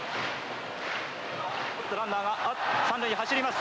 おっとランナーが三塁に走ります。